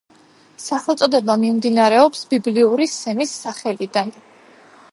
სახელწოდება მომდინარეობს ბიბლიური სემის სახელიდან.